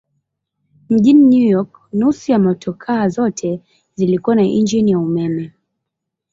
Mjini New York nusu ya motokaa zote zilikuwa na injini ya umeme.